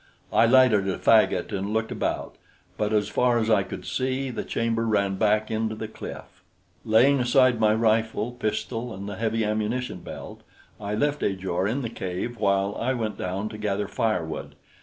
I lighted a faggot and looked about; but as far as I could see, the chamber ran back into the cliff. Laying aside my rifle, pistol and heavy ammunition belt, I left Ajor in the cave while I went down to gather firewood.